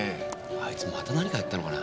あいつまた何かやったのかな？